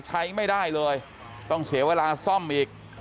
ใช้ไม่ได้เลยต้องเสียเวลาซ่อมอีก